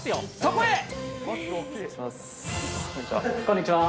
こんにちは。